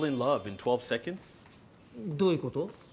どういうこと？